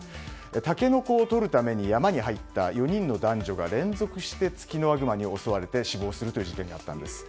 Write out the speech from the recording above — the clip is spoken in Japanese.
タケノコをとるために山に入った４人の男女が連続してツキノワグマに襲われて死亡する事件があったんです。